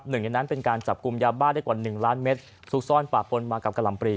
หนึ่งจากนั้นเป็นการจับกลุ่มยาบ้านได้กว่าหนึ่งล้านเม็ดทรูกซ้อนฝากฝนมากับกรรมบริ